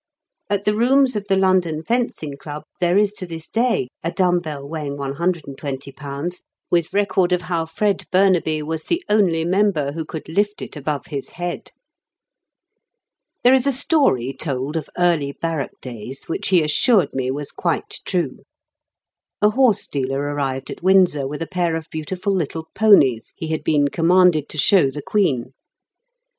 At the rooms of the London Fencing Club there is to this day a dumb bell weighing 120 lbs., with record of how Fred Burnaby was the only member who could lift it above his head. There is a story told of early barrack days which he assured me was quite true. A horsedealer arrived at Windsor with a pair of beautiful little ponies he had been commanded to show the Queen.